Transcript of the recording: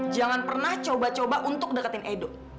jangan pernah coba coba untuk deketin edo